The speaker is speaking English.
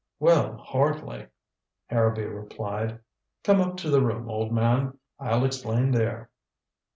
"Well, hardly," Harrowby replied. "Come up to the room, old man. I'll explain there."